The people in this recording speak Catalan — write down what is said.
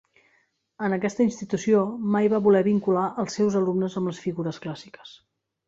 En aquesta institució, mai va voler vincular als seus alumnes amb les figures clàssiques.